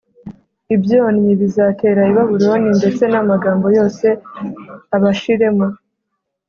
Ibyonnyi bizatera i Babuloni ndetse n’amagambo yose abashiremo